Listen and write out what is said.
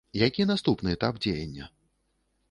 Які наступны этап дзеяння?